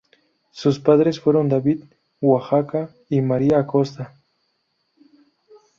Sus padres fueron David Oaxaca y María Acosta.